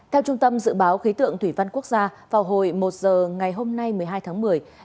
theo trung tâm dự báo khí tượng thủy văn quốc gia vào hồi một giờ ngày hôm nay một mươi hai tháng một mươi